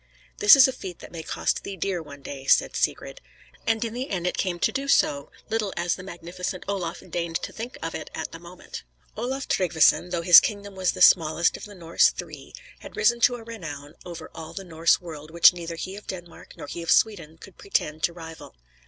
"This is a feat that may cost thee dear one day," said Sigrid. And in the end it came to do so, little as the magnificent Olaf deigned to think of it at the moment. Olaf Tryggveson, though his kingdom was the smallest of the Norse Three, had risen to a renown over all the Norse world which neither he of Denmark nor he of Sweden could pretend to rival.